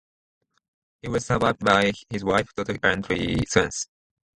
He was survived by his wife, daughter and three sons.